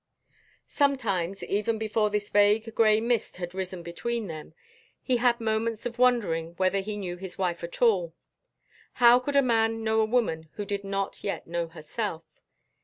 Sometimes, even before this vague gray mist had risen between them, he had had moments of wondering whether he knew his wife at all. How could a man know a woman who did not yet know herself?